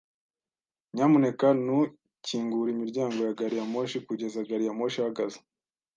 Nyamuneka ntukingure imiryango ya gari ya moshi kugeza gari ya moshi ihagaze.